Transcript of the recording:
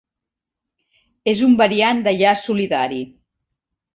És un variant de llaç solidari.